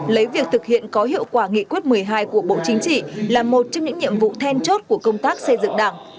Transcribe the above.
lấy việc thực hiện có hiệu quả nghị quyết một mươi hai của bộ chính trị là một trong những nhiệm vụ then chốt của công tác xây dựng đảng